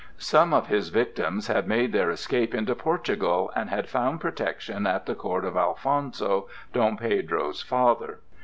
Some of his victims had made their escape into Portugal and had found protection at the court of Alfonso, Dom Pedro's father.